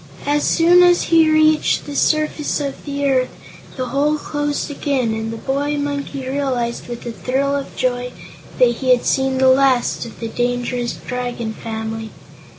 As soon as he reached the surface of the earth the hole closed again, and the boy monkey realized, with a thrill of joy, that he had seen the last of the dangerous Dragon family.